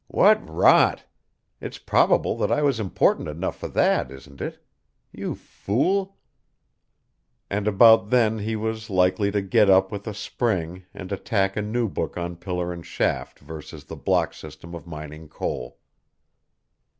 "What rot! It's probable that I was important enough for that, isn't it? You fool!" And about then he was likely to get up with a spring and attack a new book on pillar and shaft versus the block system of mining coal.